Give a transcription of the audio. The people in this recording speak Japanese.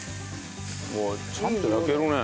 ちゃんと焼けるね。